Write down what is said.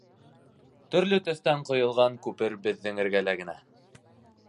Төрлө төҫтән ҡойолған күпер беҙҙең эргәлә генә.